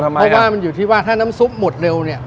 เพราะว่ามันอยู่ที่ว่าถ้าน้ำซุปหมดเร็วเนี่ย